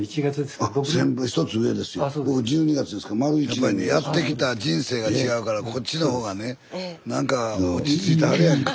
スタジオやっぱりねやってきた人生が違うからこっちの方がねなんか落ち着いてはるやんか。